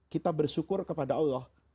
kita bersyukur kepada allah